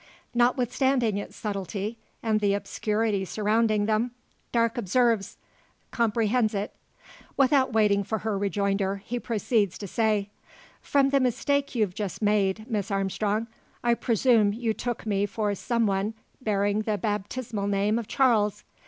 Notwithstanding its subtlety, and the obscurity surrounding them, Darke observes, comprehends it. Without waiting for her rejoinder, he proceeds to say, "From the mistake you've just made, Miss Armstrong, I presume you took me for some one bearing the baptismal name of Charles.